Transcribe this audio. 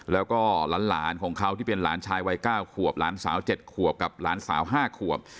แล้วก็หลานของเขาที่เป็นหลานชายวัย๙ขวบหลานสาว๗ขวบกับหลานสาว๕ขวบ